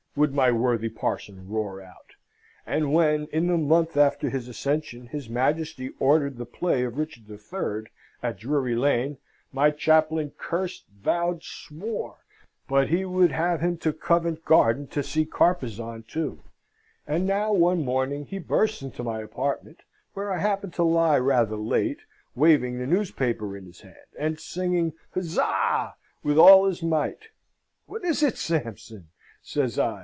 would my worthy parson roar out. And when, in the month after his accession, his Majesty ordered the play of Richard III. at Drury Lane, my chaplain cursed, vowed, swore, but he would have him to Covent Garden to see Carpezan too. And now, one morning, he bursts into my apartment, where I happened to lie rather late, waving the newspaper in his hand, and singing "Huzza!" with all his might. "What is it, Sampson?" says I.